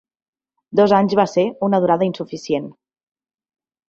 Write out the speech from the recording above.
Dos anys va ser una durada insuficient.